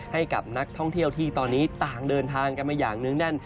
ให้กับนักท่องเที่ยวที่ตอนนี้ต่างเดินทางกันมาอย่างเนื้องแน่น